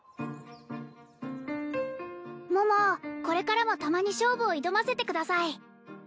これからもたまに勝負を挑ませてください